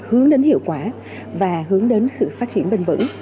hướng đến hiệu quả và hướng đến sự phát triển bền vững